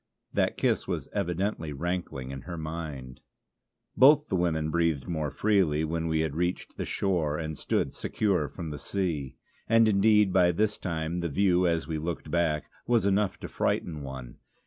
That kiss was evidently rankling in her mind. Both the women breathed more freely when we had reached the shore and stood secure from the sea. And indeed by this time the view, as we looked back, was enough to frighten one.